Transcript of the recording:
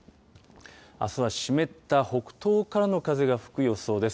あすは湿った北東からの風が吹く予想です。